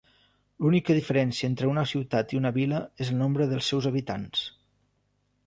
L'única diferència entre una ciutat i una vila és el nombre dels seus habitants.